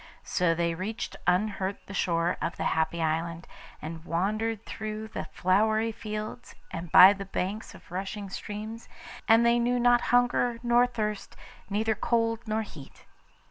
So they reached unhurt the shore of the Happy Island, and wandered through the flowery fields and by the banks of rushing streams, and they knew not hunger nor thirst; neither cold nor heat.